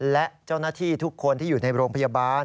และเจ้าหน้าที่ทุกคนที่อยู่ในโรงพยาบาล